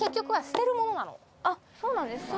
あっそうなんですか？